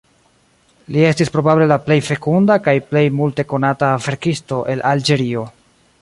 Li estis probable la plej fekunda kaj plej multe konata verkisto el Alĝerio.